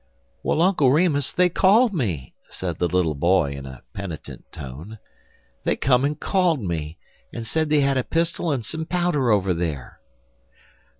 "Well, Uncle Remus, they called me," said the little boy, in a penitent tone. 'They come and called me, and said they had a pistol and some powder over there."